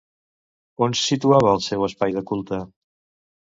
On se situava el seu espai de culte?